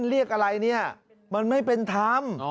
เรียกอะไรเนี่ยมันไม่เป็นธรรม